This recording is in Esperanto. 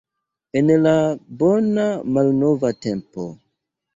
En la bona malnova tempo.